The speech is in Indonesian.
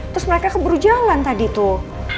terus mereka keburu jalan tadi tuh